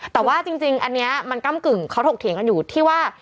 แต่ว่าจริงอันนี้มันก้ำกึ่งเขาถกเถียงกันอยู่ที่ว่า